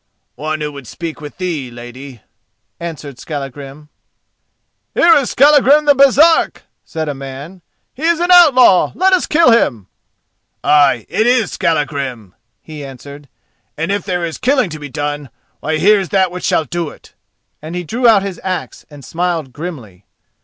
"One who would speak with thee, lady," answered Skallagrim. "Here is Skallagrim the Baresark," said a man. "He is an outlaw, let us kill him!" "Ay, it is Skallagrim," he answered, "and if there is killing to be done, why here's that which shall do it," and he drew out his axe and smiled grimly.